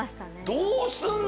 どうすんの？